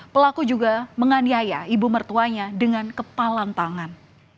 pelaku juga menganiaya ibu mertuanya dengan kepalan tangan